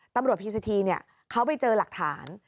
ตำรวจพีซิธีเขาไปเจอหลักฐาน